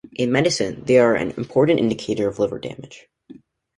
In medicine, they are an important indicator of liver damage.